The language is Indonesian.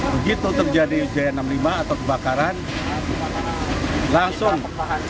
begitu terjadi j enam puluh lima atau kebakaran langsung